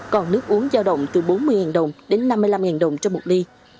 còn nước uống giao động từ bốn mươi đồng đến năm mươi năm đồng cho một ly